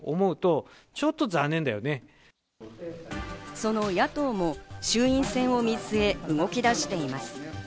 その野党も衆院選を見据え動き出しています。